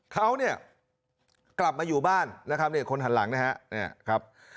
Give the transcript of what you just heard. เขาเนี่ยกลับมาอยู่บ้านนะครับเนี่ยคนหันหลังนะครับ